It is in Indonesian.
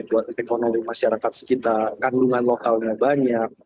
buat ekonomi masyarakat sekitar kandungan lokalnya banyak